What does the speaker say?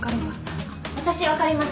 私分かります。